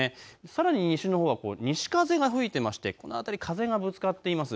さらに西のほうは西風が吹いてましてこの辺り、風がぶつかっています。